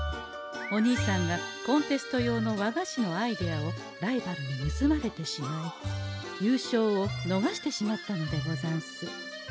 お兄さんがコンテスト用の和菓子のアイデアをライバルにぬすまれてしまい優勝をのがしてしまったのでござんす。